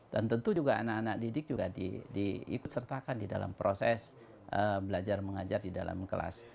dan tentu juga anak anak didik juga diikutsertakan di dalam proses belajar mengajar di dalam kelas